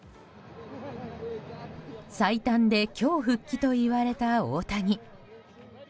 最短で今日復帰といわれた大谷。